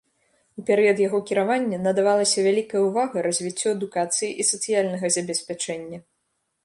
У перыяд яго кіравання надавалася вялікая ўвага развіццю адукацыі і сацыяльнага забеспячэння.